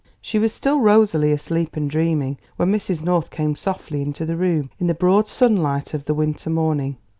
She was still rosily asleep and dreaming when Mrs. North came softly into the room in the broad sunlight of the winter morning.